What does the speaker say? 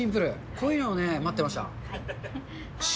こういうのを待ってました。